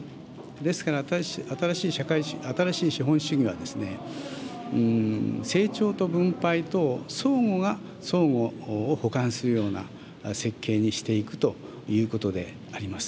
ですから、新しい資本主義は成長と分配と、相互が相互を補完するような設計にしていくということであります。